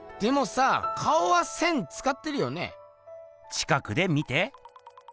近くで見て。